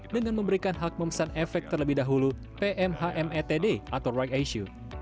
dengan memberikan hak memesan efek terlebih dahulu pmhmetd atau right issue